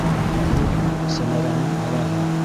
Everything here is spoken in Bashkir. Ә ул - Сәмәрәнең балаһы.